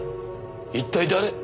一体誰。